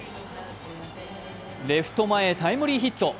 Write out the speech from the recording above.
レフト前へタイムリーヒット。